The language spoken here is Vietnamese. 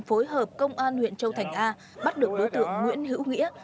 phối hợp công an huyện châu thành a bắt được đối tượng nguyễn hữu nghĩa